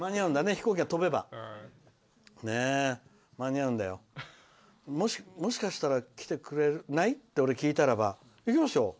飛行機が飛べばもしかしたら来てくれない？って俺、聞いたらば行きますよ。